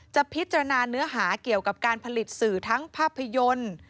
จะพิจารณาเนื้อหาเกี่ยวกับการผลิตสื่อทั้งภาพยนตร์